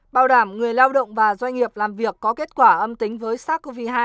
bảo đảm người lao động và doanh nghiệp làm việc có kết quả âm tính với sars cov hai